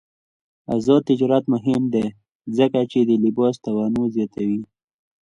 آزاد تجارت مهم دی ځکه چې د لباس تنوع زیاتوي.